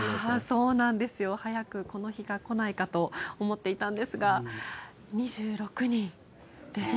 そうなんですよ。早くこの日が来ないかと思っていたんですが２６人。